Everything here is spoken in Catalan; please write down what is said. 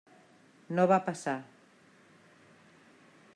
No va passar.